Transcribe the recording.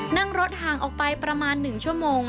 นั่งรถห่างออกไปประมาณ๑ชั่วโมง